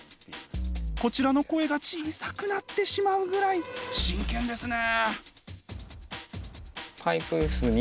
こちらの声が小さくなってしまうぐらい真剣ですね。